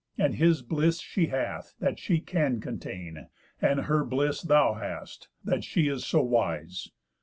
And his bliss she hath, that she can contain, And her bliss thou hast, that she is so wise.